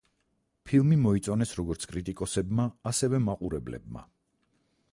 ფილმი მოიწონეს როგორც კრიტიკოსებმა, ასევე მაყურებლებმა.